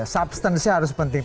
substance nya harus penting